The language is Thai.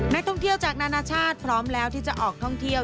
นักท่องเที่ยวจากนานาชาติพร้อมแล้วที่จะออกท่องเที่ยว